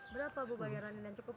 berapa bu bayarannya dan cukup